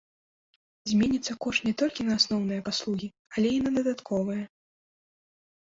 Зменіцца кошт не толькі на асноўныя паслугі, але і на дадатковыя.